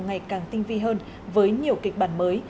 ngày càng tinh vi hơn với nhiều kịch bản mới